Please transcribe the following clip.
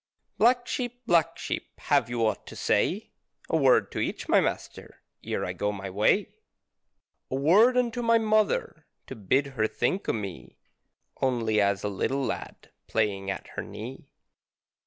Black Sheep, Black Sheep, Have you ought to say? A word to each, my Master, Ere I go my way. A word unto my mother to bid her think o' me Only as a little lad playing at her knee.